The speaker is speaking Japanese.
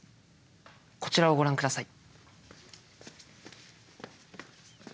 こちらをご覧下さい。